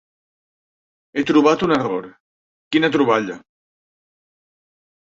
He trobat un error, quina troballa!